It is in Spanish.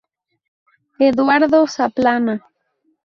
Eduardo Zaplana".